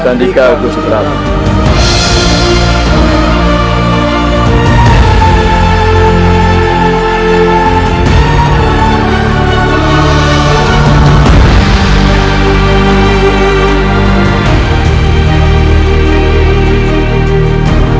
sandika kusip rabu